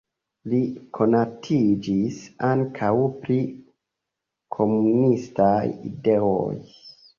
Li konatiĝis ankaŭ pri komunistaj ideoj.